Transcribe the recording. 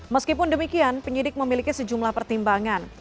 meskipun demikian penyidik memiliki sejumlah pertimbangan